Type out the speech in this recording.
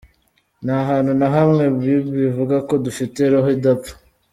Nta hantu na hamwe Bible ivuga ko dufite Roho idapfa.